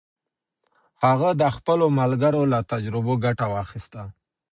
هغه د خپلو ملګرو له تجربو ګټه واخیسته.